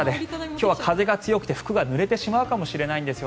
今日は風が強くて服がぬれてしまうかもしれないんです。